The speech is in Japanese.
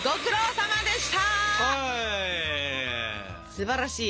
すばらしい。